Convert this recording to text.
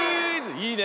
いいね。